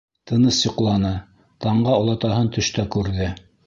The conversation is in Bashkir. Тыныс йоҡланы, таңға олатаһын төштә күрҙе.